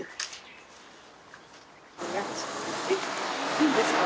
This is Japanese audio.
いいんですか？